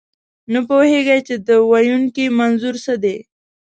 نه پوهېږئ، چې د ویونکي منظور څه دی.